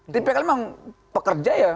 tipikalnya memang pekerja ya